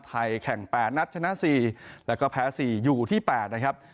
แข่ง๘นัดชนะ๔แล้วก็แพ้๔อยู่ที่๘นะครับ